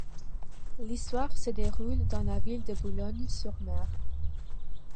L'histoire se déroule dans la ville de Boulogne-sur-Mer.